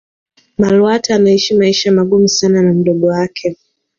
malatwa anaisha maisha magumu sana na mdogo wake